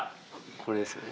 これですよね。